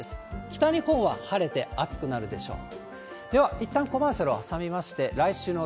北日本は晴れて暑くなるでしょう。